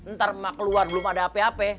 ntar emak keluar belum ada ap ap